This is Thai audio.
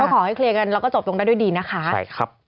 พอขอให้เคลียร์กันเราก็จบตรงนั้นได้ด้วยดีนะคะ